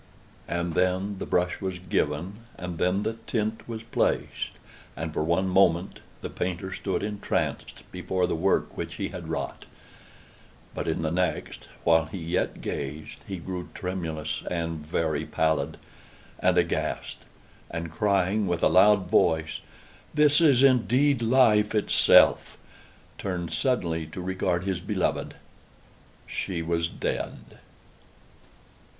And then the brush was given, and then the tint was placed; and, for one moment, the painter stood entranced before the work which he had wrought; but in the next, while he yet gazed, he grew tremulous and very pallid, and aghast, and crying with a loud voice, 'This is indeed Life itself!' turned suddenly to regard his beloved:—She was dead!"